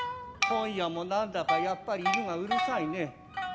今夜も何だかやっぱり犬がうるさいね。